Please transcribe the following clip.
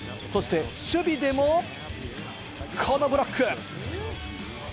そして守備でも、このブロック！